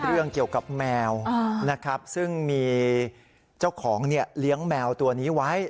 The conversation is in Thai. เรื่องเกี่ยวกับแมวนะครับซึ่งมีเจ้าของเลี้ยงแมวตัวนี้ไว้